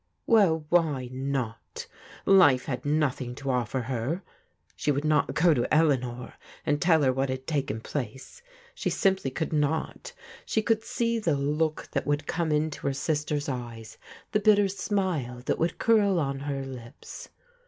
Well, why not ? Life had nothing to offer her. She would not go to Eleanor and tell her what had taken place. She simply could not. She could see the look that would come into her sister's eyes, the bitter smile that would curl on her lips.